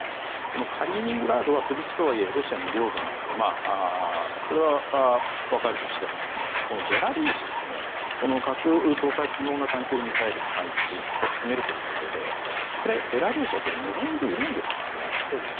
カリーニングラードは飛び地とはいえロシアの領土なのでそれは分かるとしてもベラルーシですね、核搭載可能な短距離ミサイルの配置を進めるということでベラルーシはこれを望んでいるんでしょうか？